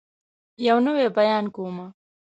يو نوی بيان کومه